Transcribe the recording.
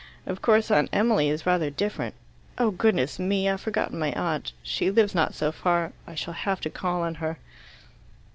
Of course Aunt Emily is rather different. Oh, goodness me! I've forgotten my aunt. She lives not so far. I shall have to call on her."